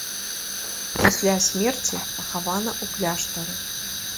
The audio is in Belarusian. Пасля смерці пахавана ў кляштары.